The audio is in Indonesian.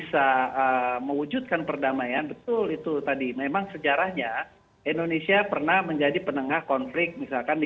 stok informasi yang sangat penting